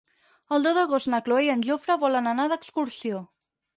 El deu d'agost na Cloè i en Jofre volen anar d'excursió.